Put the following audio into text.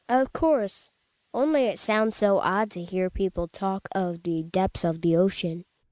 Of course, only it sounds so odd to hear peo ple talk of the depths of the ocean.